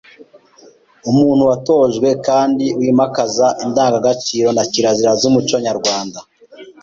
Umuntu watojwe kandi wimakaza indangagaciro na kirazira z’umuco Nyarwanda